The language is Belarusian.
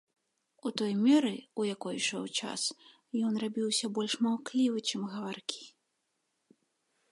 У той меры, у якой ішоў час, ён рабіўся больш маўклівы, чым гаваркі.